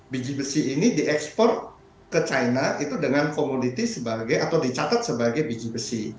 biji besi ini diekspor ke china itu dengan komoditi sebagai atau dicatat sebagai biji besi